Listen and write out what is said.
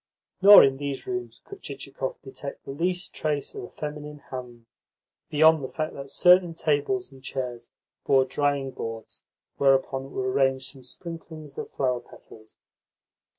Nor in these rooms could Chichikov detect the least trace of a feminine hand, beyond the fact that certain tables and chairs bore drying boards whereon were arranged some sprinklings of flower petals.